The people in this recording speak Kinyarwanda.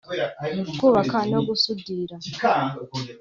kubaka no gusudira